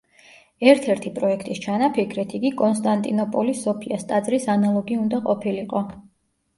ერთ-ერთი პროექტის ჩანაფიქრით იგი კონსტანტინოპოლის სოფიას ტაძრის ანალოგი უნდა ყოფილიყო.